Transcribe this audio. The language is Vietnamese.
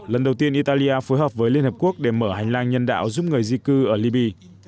lần đầu tiên italia phối hợp với liên hợp quốc để mở hành lang nhân đạo giúp người di cư ở liby